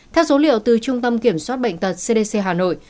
theo số liệu từ trung tâm kiểm soát bệnh tật cdc hà nội